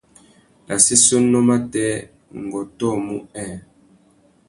Nà séssénô matê, ngu ôtōmú nhêê.